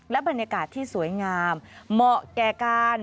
และบรรยากาศที่สวยงามเหมาะแก่การ